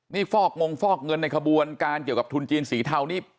นี่ฟอกงงฟอกเงินในขบวนการเกี่ยวกับทุนจีนสีเทานี่